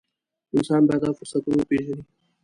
انسان باید دا فرصتونه وپېژني.